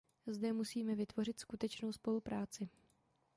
Zde musíme vytvořit skutečnou spolupráci.